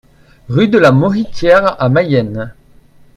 Rue de la Mauhitière à Mayenne